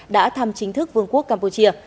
đã thăm chính thức vương quốc campuchia